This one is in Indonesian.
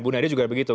bu neri juga begitu